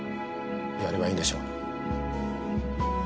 やればいいんでしょ。